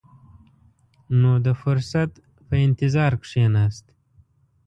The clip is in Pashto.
نو د فرصت په انتظار کښېناست.